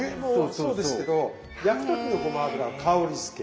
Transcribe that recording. そうですけど焼く時のごま油は香りづけ。